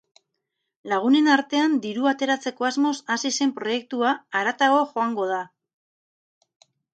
Lagunen artean dirua ateratzeko asmoz hasi zen proiektua haratago joango da.